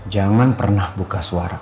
jangan pernah buka suara